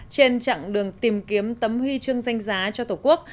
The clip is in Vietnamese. trên chặng đường tìm kiếm tấm huy chương danh giá cho tổ quốc